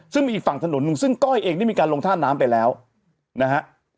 ซึ่งมีอีกฝั่งถนนหนึ่งซึ่งก้อยเองนี่มีการลงท่าน้ำไปแล้วนะฮะ